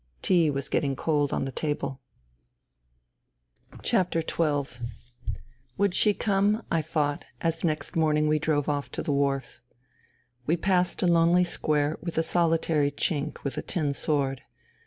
Tea was getting cold on the table. XII " Would she come ?" I thought, as next morning we drove off to the wharf. We passed a lonely square with a solitary Chink with a tin sword.